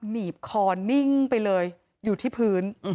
หนีบคอนิ่งไปเลยอยู่ที่พื้น